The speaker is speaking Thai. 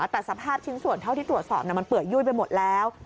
แต่สภาพชิ้นส่วนเท่าที่ตรวจสอบมันเปื่อยยุ่ยไปหมดแล้ว